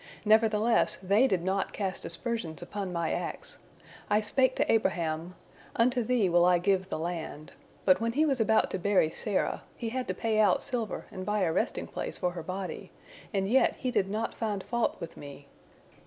Nevertheless they did not cast aspersions upon My acts. I spake to Abraham, 'Unto thee will I give the land,' but when he was about to bury Sarah, he had to pay out silver and buy a resting place for her body; and yet he did not find fault with Me.